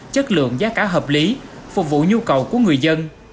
chất lượng giá cả hợp lý phục vụ nhu cầu của người dân